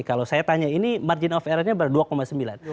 kalau saya tanya ini margin of error nya berapa dua sembilan